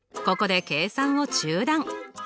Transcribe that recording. ここで計算を中断！